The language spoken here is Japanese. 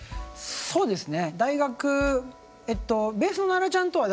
そうですね。